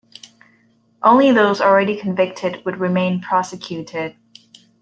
Only those already convicted would remain prosecuted.